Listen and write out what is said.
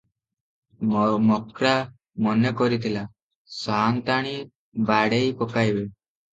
ମକ୍ରା ମନେ କରିଥିଲା, ସାଅନ୍ତାଣୀ ବାଡ଼େଇ ପକାଇବେ ।